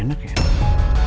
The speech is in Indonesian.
kenapa perasaanku gak enak ya